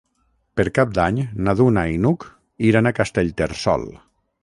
Per Cap d'Any na Duna i n'Hug iran a Castellterçol.